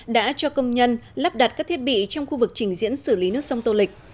đã cho công nhân lắp đặt các thiết bị trong khu vực trình diễn xử lý nước sông tô lịch